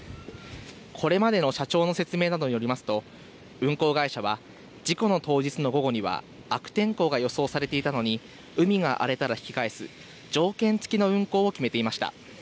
これまでの社長の説明などによりますと運航会社は事故の当日の午後には悪天候が予想されていたのに海が荒れたら引き返す条件付きの運航を決めていました。